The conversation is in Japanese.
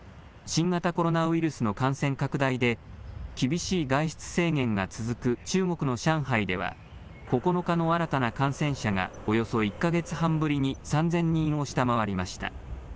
新型コロナウイルスの感染拡大で、厳しい外出制限が続く中国の上海では、９日の新たな感染者がおよそ１か月半ぶりに３０００人を下回りました。